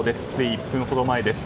１分ほど前です。